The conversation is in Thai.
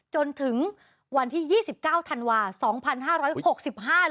จนถึงวันที่๒๙ธันวา๒๕๖๕